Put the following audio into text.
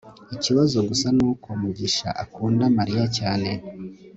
ikibazo gusa nuko mugisha adakunda mariya cyane